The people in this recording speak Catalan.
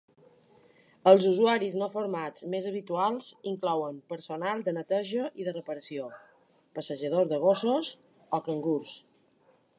Els usuaris no formats més habituals inclouen personal de neteja i de reparació, passejadors de gossos o cangurs.